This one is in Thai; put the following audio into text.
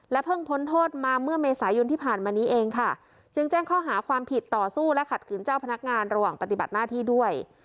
เพิ่งพ้นโทษมาเมื่อเมษายนที่ผ่านมานี้เองค่ะจึงแจ้งข้อหาความผิดต่อสู้และขัดขืนเจ้าพนักงานระหว่างปฏิบัติหน้าที่ด้วย